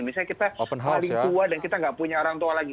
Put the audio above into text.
misalnya kita paling tua dan kita nggak punya orang tua lagi